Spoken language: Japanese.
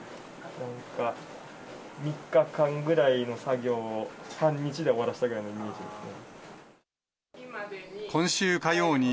３日間ぐらいの作業を半日で終わらせたぐらいのイメージですね。